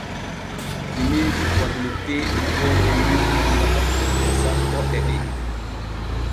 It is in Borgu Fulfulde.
Gineeji ɓorneteeɗi ceede muuɗum waɗa Forto sappo e ɗiɗi.